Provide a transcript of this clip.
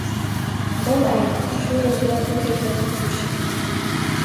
Bor aybi shu ro‘zg‘ordi tebratib turishi